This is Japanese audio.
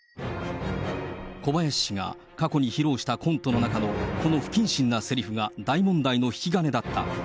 小林氏が過去に披露したコントの中の、この不謹慎なせりふが大問題の引き金だった。